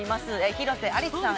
広瀬アリスさん